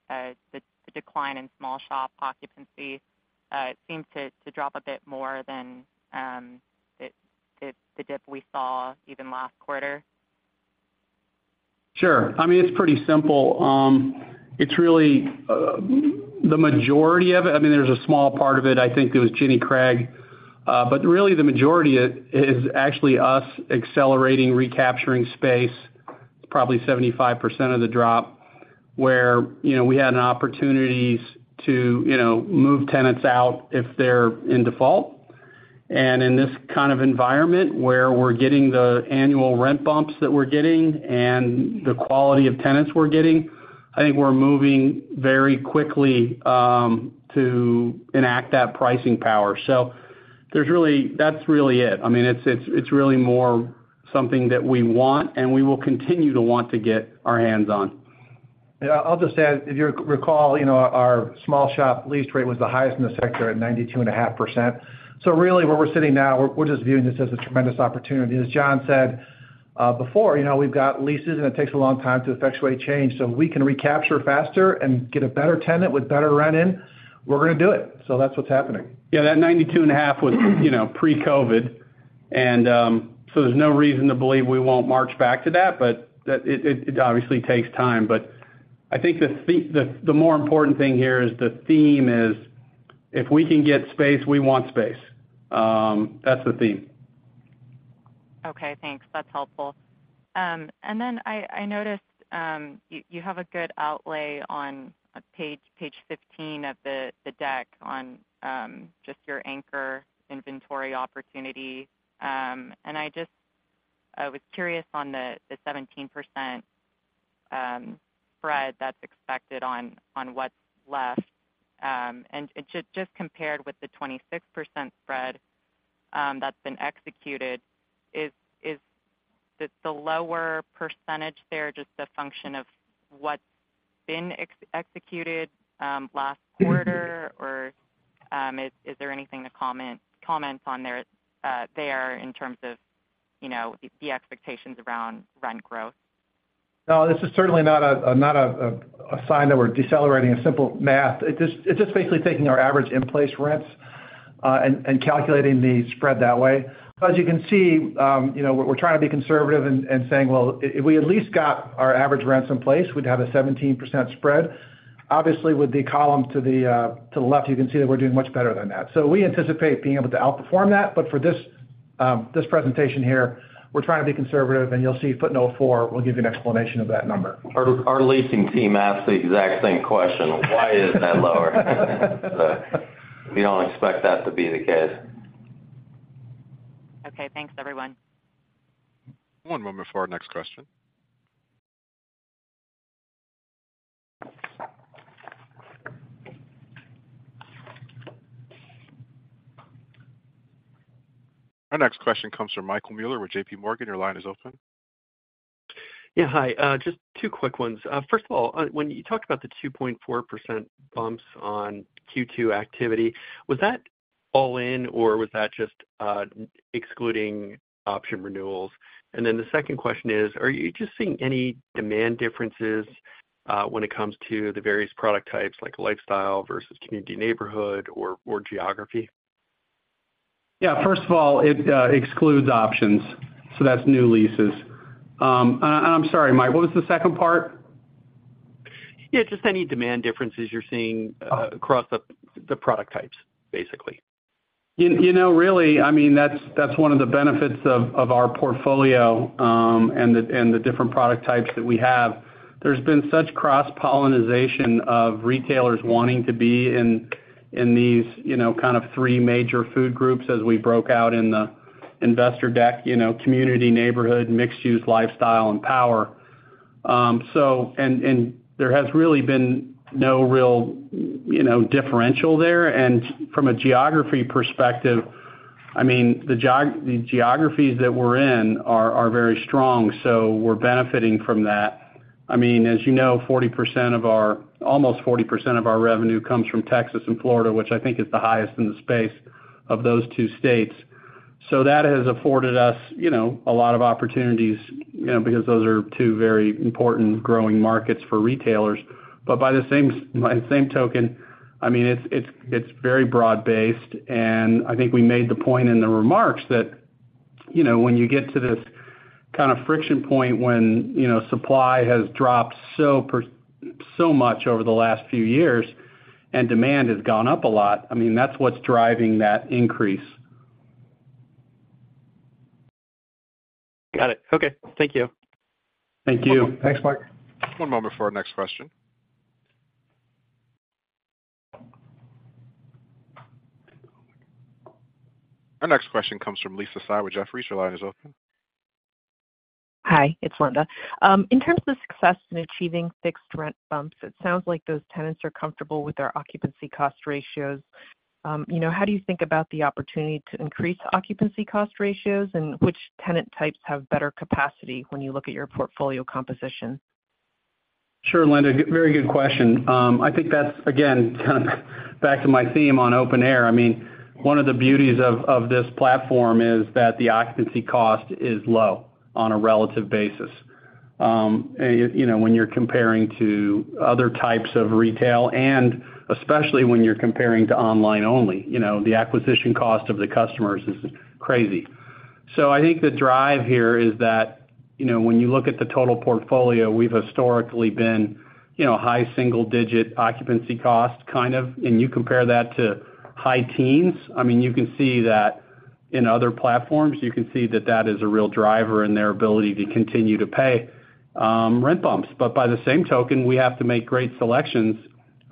Speaker 11: decline in small shop occupancy. It seems to drop a bit more than the dip we saw even last quarter.
Speaker 3: Sure. I mean, it's pretty simple. It's really, the majority of it, I mean, there's a small part of it, I think it was Jenny Craig, but really, the majority of it, is actually us accelerating, recapturing space, probably 75% of the drop, where, you know, we had an opportunities to, you know, move tenants out if they're in default. In this kind of environment, where we're getting the annual rent bumps that we're getting and the quality of tenants we're getting, I think we're moving very quickly to enact that pricing power. There's really, that's really it. I mean, it's, it's, it's really more something that we want, and we will continue to want to get our hands on.
Speaker 4: Yeah, I'll just add, if you recall, you know, our small shop lease rate was the highest in the sector at 92.5%. Really, where we're sitting now, we're, we're just viewing this as a tremendous opportunity. As John said, before, you know, we've got leases, and it takes a long time to effectuate change. If we can recapture faster and get a better tenant with better rent in, we're gonna do it. That's what's happening.
Speaker 3: Yeah, that 92.5 was, you know, pre-COVID. There's no reason to believe we won't march back to that, but that it obviously takes time. I think the more important thing here is the theme is, if we can get space, we want space. That's the theme.
Speaker 11: Okay, thanks. That's helpful. Then I, I noticed, you, you have a good outlay on page 15 of the deck on, just your anchor inventory opportunity. I just, was curious on the 17% spread that's expected on what's left. Just compared with the 26% spread, that's been executed, is the lower percentage there, just a function of what's been executed, last quarter? Is there anything to comment on there in terms of, you know, the expectations around rent growth?
Speaker 4: No, this is certainly not a, not a, a sign that we're decelerating. A simple math. It's just basically taking our average in-place rents, and calculating the spread that way. As you can see, you know, we're, we're trying to be conservative and saying, well, if we at least got our average rents in place, we'd have a 17% spread. Obviously, with the column to the left, you can see that we're doing much better than that. We anticipate being able to outperform that, for this, this presentation here, we're trying to be conservative, and you'll see footnote 4 will give you an explanation of that number.
Speaker 6: Our, our leasing team asked the exact same question: Why is that lower? We don't expect that to be the case.
Speaker 11: Okay, thanks, everyone.
Speaker 1: One moment before our next question. Our next question comes from Michael Mueller with JP Morgan. Your line is open.
Speaker 12: Yeah, hi. Just two quick ones. First of all, when you talked about the 2.4% bumps on Q2 activity, was that all in, or was that just excluding option renewals? The second question is, are you just seeing any demand differences, when it comes to the various product types, like lifestyle versus community neighborhood or, or geography?
Speaker 3: Yeah. First of all, it excludes options, so that's new leases. I'm sorry, Mike, what was the second part?
Speaker 12: Yeah, just any demand differences you're seeing, across the, the product types, basically.
Speaker 3: You, you know, really, I mean, that's, that's one of the benefits of our portfolio, and the different product types that we have. There's been such cross-pollinization of retailers wanting to be in, in these, you know, kind of three major food groups as we broke out in the investor deck, you know, community, neighborhood, mixed use, lifestyle, and power. And there has really been no real, you know, differential there. From a geography perspective, I mean, the geographies that we're in are very strong, so we're benefiting from that. I mean, as you know, 40% of our-- almost 40% of our revenue comes from Texas and Florida, which I think is the highest in the space of those two states. That has afforded us, you know, a lot of opportunities, you know, because those are two very important growing markets for retailers. By the same, by the same token, I mean, it's, it's, it's very broad-based, and I think we made the point in the remarks that, you know, when you get to this kind of friction point when, you know, supply has dropped so much over the last few years and demand has gone up a lot, I mean, that's what's driving that increase.
Speaker 12: Got it. Okay. Thank you.
Speaker 3: Thank you.
Speaker 4: Thanks, Mike.
Speaker 1: One moment before our next question. Our next question comes from Linda Tsai with Jefferies. Your line is open.
Speaker 13: Hi, it's Linda. In terms of success in achieving fixed rent bumps, it sounds like those tenants are comfortable with their occupancy cost ratios. You know, how do you think about the opportunity to increase occupancy cost ratios, and which tenant types have better capacity when you look at your portfolio composition?
Speaker 3: Sure, Linda, very good question. I think that's, again, kind of back to my theme on open air. I mean, one of the beauties of, of this platform is that the occupancy cost is low on a relative basis. You know, when you're comparing to other types of retail, and especially when you're comparing to online only, you know, the acquisition cost of the customers is crazy. I think the drive here is that, you know, when you look at the total portfolio, we've historically been, you know, high single digit occupancy cost, kind of, and you compare that to high teens, I mean, you can see that in other platforms, you can see that that is a real driver in their ability to continue to pay rent bumps. By the same token, we have to make great selections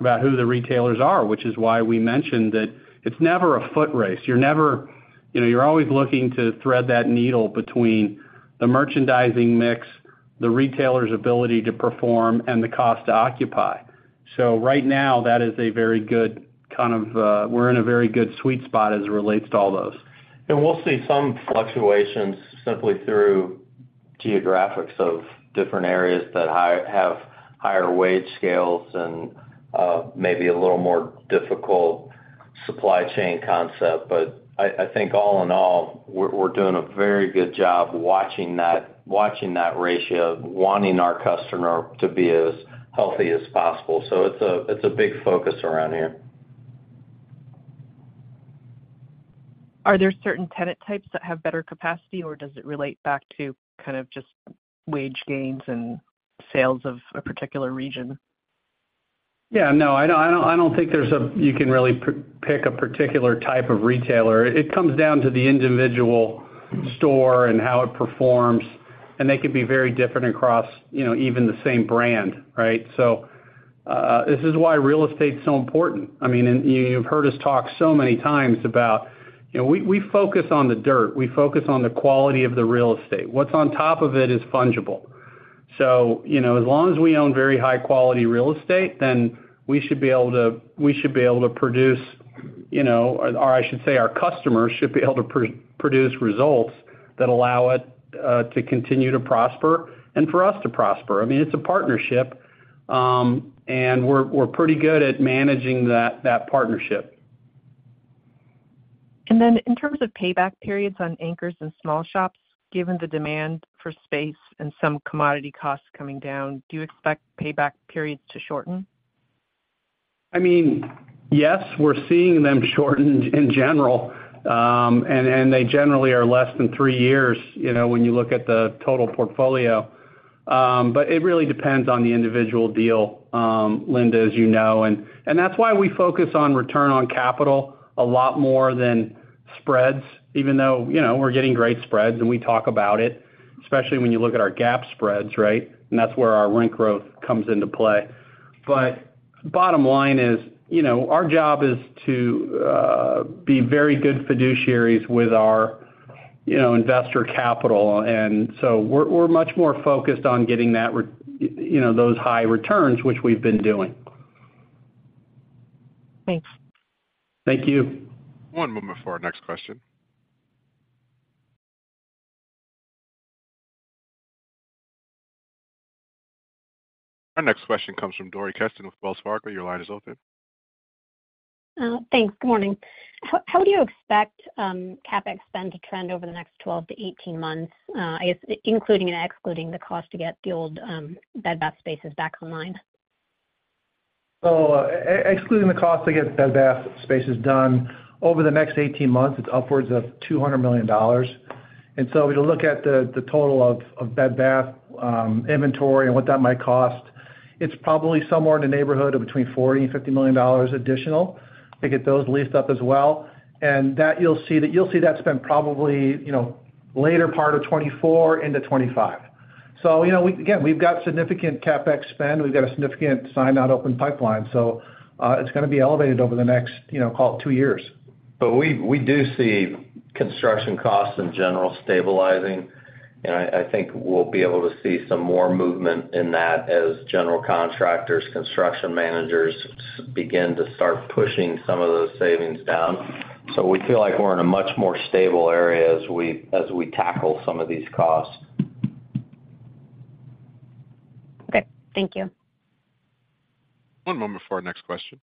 Speaker 3: about who the retailers are, which is why we mentioned that it's never a foot race. You know, you're always looking to thread that needle between the merchandising mix, the retailer's ability to perform, and the cost to occupy. Right now, that is a very good kind of, we're in a very good sweet spot as it relates to all those.
Speaker 6: We'll see some fluctuations simply through geographics of different areas that have higher wage scales and, maybe a little more difficult supply chain concept. I, I think all in all, we're, we're doing a very good job watching that, watching that ratio, wanting our customer to be as healthy as possible. It's a, it's a big focus around here.
Speaker 13: Are there certain tenant types that have better capacity, or does it relate back to kind of just wage gains and sales of a particular region?
Speaker 3: Yeah, no, I don't think there's a you can really pick a particular type of retailer. It comes down to the individual store and how it performs, and they can be very different across, you know, even the same brand, right? This is why real estate is so important. I mean, and you've heard us talk so many times about, you know, we, we focus on the dirt. We focus on the quality of the real estate. What's on top of it is fungible. As long as we own very high-quality real estate, then we should be able to, we should be able to produce, you know, or I should say, our customers should be able to produce results that allow it to continue to prosper and for us to prosper. I mean, it's a partnership, and we're, we're pretty good at managing that, that partnership.
Speaker 13: Then in terms of payback periods on anchors and small shops, given the demand for space and some commodity costs coming down, do you expect payback periods to shorten?
Speaker 3: I mean, yes, we're seeing them shorten in general, and they generally are less than three years, you know, when you look at the total portfolio. It really depends on the individual deal, Linda, as you know, and that's why we focus on return on capital a lot more than spreads, even though, you know, we're getting great spreads, and we talk about it, especially when you look at our GAAP spreads, right? That's where our rent growth comes into play. Bottom line is, you know, our job is to be very good fiduciaries with our, you know, investor capital, so we're, we're much more focused on getting that, you know, those high returns, which we've been doing.
Speaker 13: Thanks.
Speaker 3: Thank you.
Speaker 1: One moment before our next question. Our next question comes from Dori Kesten with Wells Fargo. Your line is open.
Speaker 14: Thanks. Good morning. How, how do you expect CapEx spend to trend over the next 12 to 18 months, I guess, including and excluding the cost to get the old Bed Bath spaces back online?
Speaker 3: Excluding the cost to get Bed Bath spaces done, over the next 18 months, it's upwards of $200 million. We look at the, the total of, of Bed Bath inventory and what that might cost. It's probably somewhere in the neighborhood of between $40 million and $50 million additional to get those leased up as well. That you'll see that spend probably, you know, later part of 2024 into 2025. You know, again, we've got significant CapEx spend. We've got a significant signed not open pipeline, so it's gonna be elevated over the next, you know, call it two years.
Speaker 6: We do see construction costs in general stabilizing, and I think we'll be able to see some more movement in that as general contractors, construction managers, begin to start pushing some of those savings down. We feel like we're in a much more stable area as we tackle some of these costs.
Speaker 14: Okay, thank you.
Speaker 1: One moment before our next question.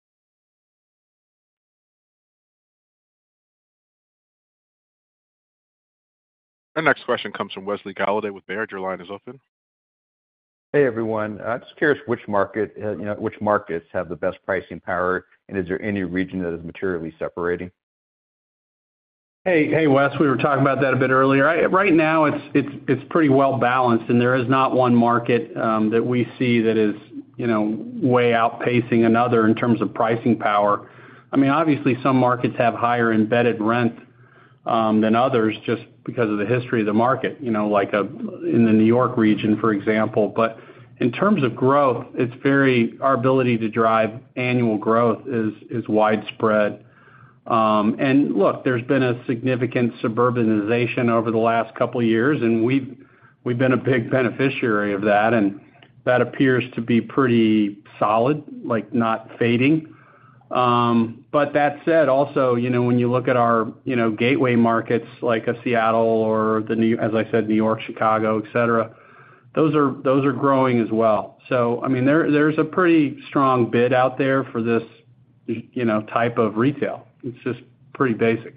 Speaker 1: Our next question comes from Wesley Golladay with Baird. Your line is open.
Speaker 15: Hey, everyone, just curious which market, you know, which markets have the best pricing power, and is there any region that is materially separating?
Speaker 3: Hey, hey, Wes. We were talking about that a bit earlier. I right now, it's, it's, it's pretty well balanced, and there is not 1 market that we see that is, you know, way outpacing another in terms of pricing power. I mean, obviously, some markets have higher embedded rent than others just because of the history of the market, you know, like, in the New York region, for example. In terms of growth, it's very. Our ability to drive annual growth is, is widespread. Look, there's been a significant suburbanization over the last 2 years, and we've, we've been a big beneficiary of that, and that appears to be pretty solid, like, not fading. But that said, also, you know, when you look at our, you know, gateway markets, like a Seattle or the New, as I said, New York, Chicago, et cetera, those are, those are growing as well. I mean, there, there's a pretty strong bid out there for this, you know, type of retail. It's just pretty basic.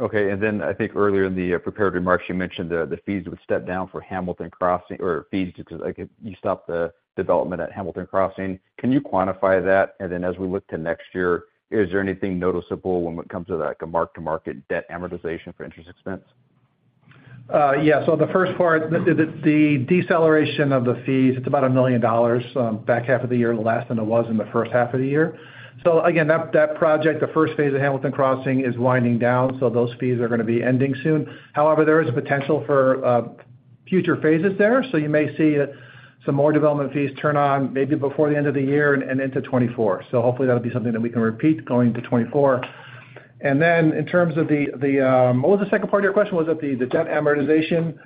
Speaker 15: Okay. Then I think earlier in the prepared remarks, you mentioned the, the fees would step down for Hamilton Crossing or fees, because, like, you stopped the development at Hamilton Crossing. Can you quantify that? Then as we look to next year, is there anything noticeable when it comes to, like, a mark-to-market debt amortization for interest expense?
Speaker 3: Yeah. The first part, the, the, the deceleration of the fees, it's about $1 million back half of the year, less than it was in the first half of the year. Again, that, that project, the first phase of Hamilton Crossing, is winding down, so those fees are gonna be ending soon. However, there is a potential for future phases there, so you may see some more development fees turn on, maybe before the end of the year and into 2024. Hopefully, that'll be something that we can repeat going to 2024. In terms of the, the, what was the second part of your question? Was it the, the debt amortization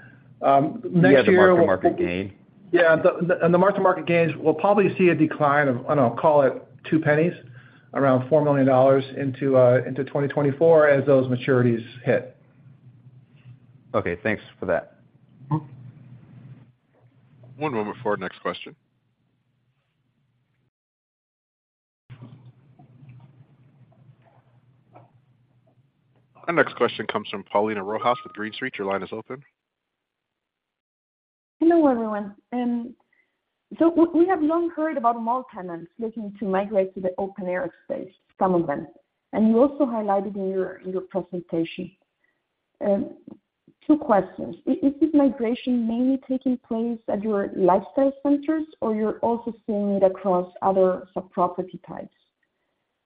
Speaker 3: next year-
Speaker 6: Yeah, the mark-to-market gain.
Speaker 3: Yeah, the, and the mark-to-market gains, we'll probably see a decline of, I don't know, call it $0.02, around $4 million into, into 2024 as those maturities hit.
Speaker 6: Okay, thanks for that.
Speaker 3: Mm-hmm.
Speaker 1: One moment for our next question. Our next question comes from Paulina Rojas with Green Street. Your line is open.
Speaker 16: Hello, everyone. We have long heard about mall tenants looking to migrate to the open-air space, some of them, and you also highlighted in your, in your presentation. Two questions: is this migration mainly taking place at your lifestyle centers, or you're also seeing it across other sub-property types?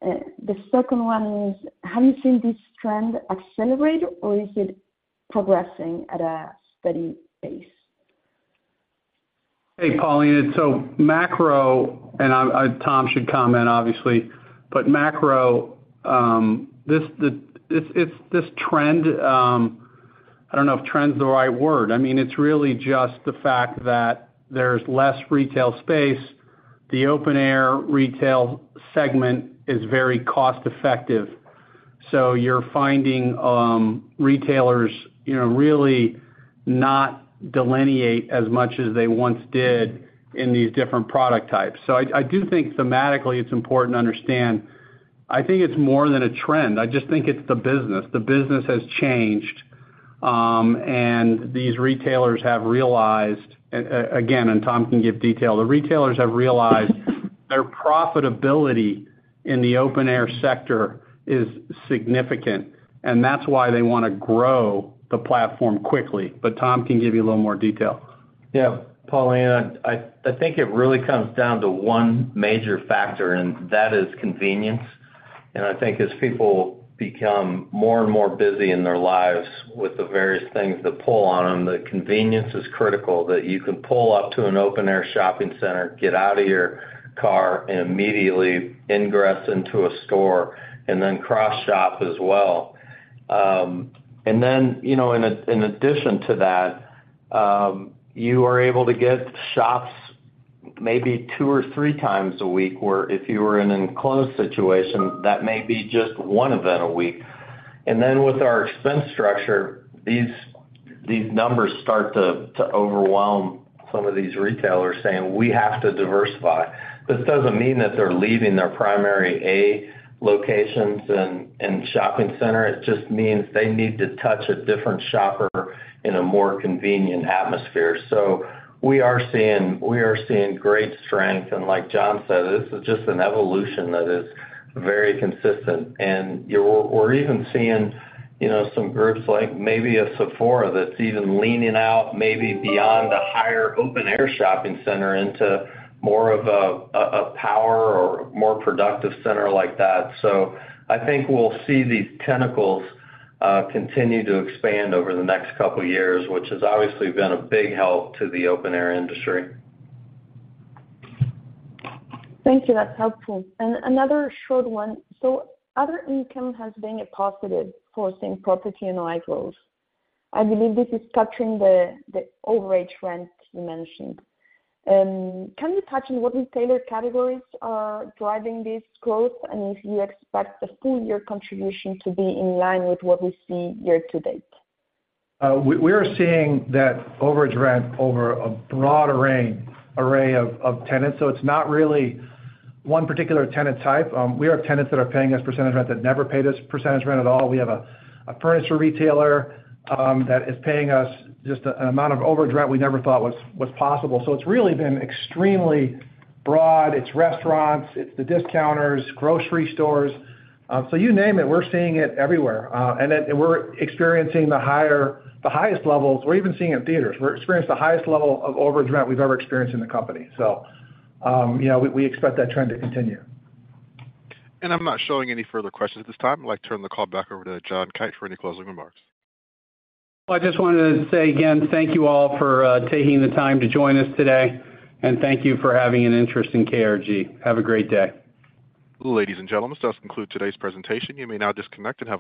Speaker 16: The second one is, have you seen this trend accelerate, or is it progressing at a steady pace?
Speaker 3: Hey, Paulina. Macro, and Tom should comment, obviously, but macro, this trend, I don't know if trend's the right word. I mean, it's really just the fact that there's less retail space. The open-air retail segment is very cost-effective, you're finding retailers, you know, really not delineate as much as they once did in these different product types. I do think thematically, it's important to understand, I think it's more than a trend. I just think it's the business. The business has changed, these retailers have realized, again, Tom can give detail, the retailers have realized their profitability in the open-air sector is significant, that's why they wanna grow the platform quickly. Tom can give you a little more detail.
Speaker 6: Yeah, Pauline, I, I think it really comes down to one major factor, and that is convenience. I think as people become more and more busy in their lives with the various things that pull on them, the convenience is critical, that you can pull up to an open-air shopping center, get out of your car, and immediately ingress into a store, and then cross-shop as well. You know, in addition to that, you are able to get shops maybe two or three times a week, where if you were in an enclosed situation, that may be just one event a week. With our expense structure, these, these numbers start to, to overwhelm some of these retailers, saying, "We have to diversify." This doesn't mean that they're leaving their primary A locations and, and shopping center. It just means they need to touch a different shopper in a more convenient atmosphere. We are seeing, we are seeing great strength, and like John said, this is just an evolution that is very consistent. You're-- we're even seeing, you know, some groups like maybe a Sephora that's even leaning out, maybe beyond a higher open-air shopping center into more of a, a, a power or more productive center like that. I think we'll see these tentacles continue to expand over the next couple of years, which has obviously been a big help to the open-air industry.
Speaker 16: Thank you. That's helpful. Another short one. Other income has been a positive for same-property and like growth. I believe this is capturing the, the overage rent you mentioned. Can you touch on what retailer categories are driving this growth, and if you expect the full year contribution to be in line with what we see year to date?
Speaker 3: We, we are seeing that overage rent over a broad array, array of, of tenants, so it's not really one particular tenant type. We have tenants that are paying us percentage rent that never paid us percentage rent at all. We have a, a furniture retailer, that is paying us just a, an amount of overage rent we never thought was, was possible. It's really been extremely broad. It's restaurants, it's the discounters, grocery stores. You name it, we're seeing it everywhere, we're experiencing the higher, the highest levels. We're even seeing it in theaters. We're experiencing the highest level of overage rent we've ever experienced in the company, so, you know, we, we expect that trend to continue.
Speaker 1: I'm not showing any further questions at this time. I'd like to turn the call back over to John Kite for any closing remarks.
Speaker 3: Well, I just wanted to say again, thank you all for, taking the time to join us today, and thank you for having an interest in KRG. Have a great day.
Speaker 1: Ladies and gentlemen, this does conclude today's presentation. You may now disconnect and have.